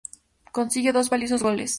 Consigue dos valiosos goles.